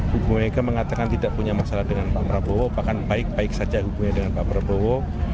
bu mega mengatakan tidak punya masalah dengan pak prabowo bahkan baik baik saja hubungannya dengan pak prabowo